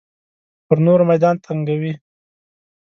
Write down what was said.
پر نورو میدان تنګوي.